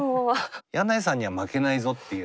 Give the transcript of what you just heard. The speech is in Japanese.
箭内さんには負けないぞっていう。